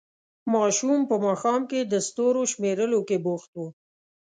ماشوم په ماښام کې د ستورو شمېرلو کې بوخت وو.